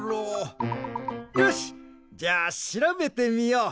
よしじゃあしらべてみよう。